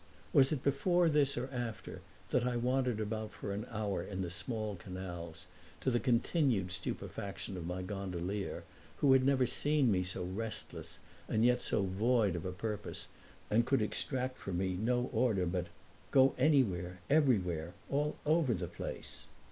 Was it before this or after that I wandered about for an hour in the small canals, to the continued stupefaction of my gondolier, who had never seen me so restless and yet so void of a purpose and could extract from me no order but "Go anywhere everywhere all over the place"?